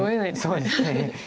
そうですね。